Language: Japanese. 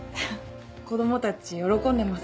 子供たち喜んでます。